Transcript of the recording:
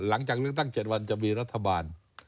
หลังจากเลือกตั้ง๗วันจะมีรัฐบาล